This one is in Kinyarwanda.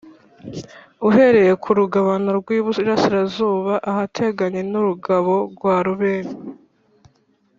Uhereye ku rugabano rw iburasirazuba ahateganye n urugabano rwa Rubeni